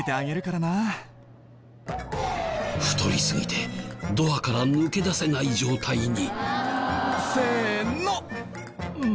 太りすぎてドアから抜け出せない状態に。